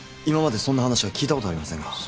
今までそんな話は聞いたことありませんが。